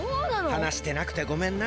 はなしてなくてごめんな。